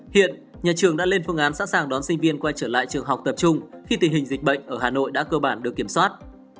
hiện nhà trường đã lên phương án sẵn sàng đón sinh viên quay trở lại trường học tập trung khi tình hình dịch bệnh ở hà nội đã cơ bản được kiểm soát